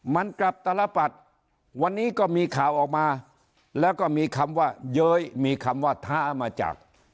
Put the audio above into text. มันกลับตลปัดวันนี้ก็มีข่าวออกมาแล้วก็มีคำว่าเย้ยมีคำว่าท้ามาจาก